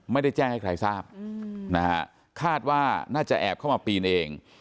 ไม่ได้แจ้งให้ใครทราบนะฮะคาดว่าน่าจะแอบเข้ามาปีนเอง